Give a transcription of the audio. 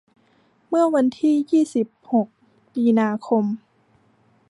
เมื่อวันที่ยี่สิบหกมีนาคม